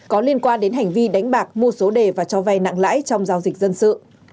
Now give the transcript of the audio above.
có liên quan đến hành vi đánh bạc mua số đề và cho vay nặng lãi trong giao dịch dân sự